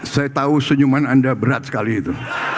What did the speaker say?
saya tahu senyuman anda berat sekali itu